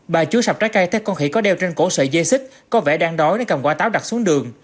bà chúa sạp trái cây thấy con khỉ có đeo trên cổ sợi dây xích có vẻ đang đói nên cầm quả táo đặt xuống đường